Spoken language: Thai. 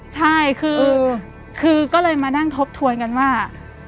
ใช่คือก็เลยมานั่งทบทวนกันว่า